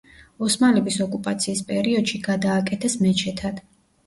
ოსმალების ოკუპაციის პერიოდში გადააკეთეს მეჩეთად.